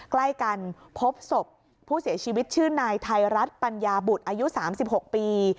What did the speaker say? ใกล้กันพบศพผู้เสียชีวิตชื่อนายไทยรัฐปัญญาบุตรอายุ๓๖ปี